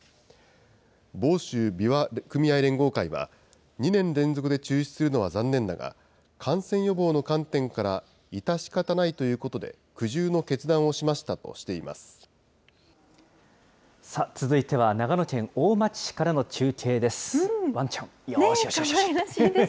房州枇杷組合連合会は、２年連続で中止するのは残念だが、感染予防の観点から致し方ないということで、苦渋の決断をしましさあ、続いては長野県大町市からの中継です。